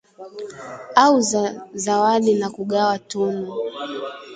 Au za zawadi na kugawa tunu